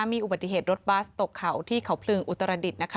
มีอุบัติเหตุรถบัสตกเขาที่เขาพลึงอุตรดิษฐ์นะคะ